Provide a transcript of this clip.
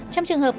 trong trường hợp